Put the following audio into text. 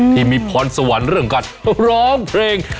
ที่มีพรสวรรค์เรื่องการร้องเพลง